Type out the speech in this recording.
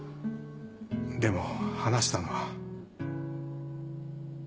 でも話したのは。